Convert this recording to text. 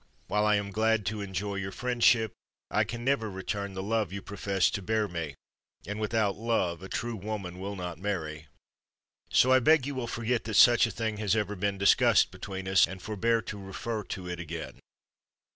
While I am glad to enjoy your friendship, I can never return the love you profess to bear me, and without love a true woman will not marry. So I beg you will forget that such a thing has ever been discussed between us, and forbear to refer to it again.